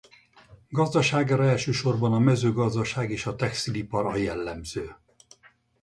Gazdaságára elsősorban a mezőgazdaság és textilipar a jellemző.